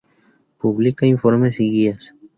Publica informes y guías.